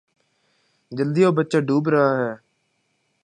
جلدی آو؛ بچہ ڈوب رہا ہے